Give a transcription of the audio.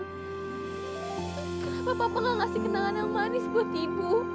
kenapa bapak gak ngasih kenangan yang manis buat ibu